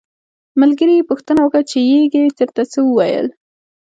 ملګري یې پوښتنه وکړه چې یږې درته څه وویل.